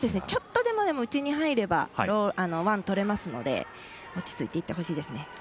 ちょっとでも、内に入ればワンとれますので落ち着いていってほしいですね。